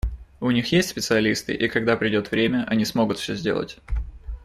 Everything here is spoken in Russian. У них есть специалисты, и, когда придет время, они смогут все сделать.